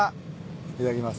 いただきます。